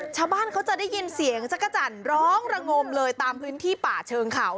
ชาวบ้านเขาจะได้ยินเสียงจักรจันทร์ร้องระงมเลยตามพื้นที่ป่าเชิงเขา